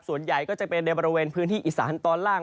ส่วนใหญ่ก็จะเป็นในบริเวณพื้นที่อีสานตอนล่าง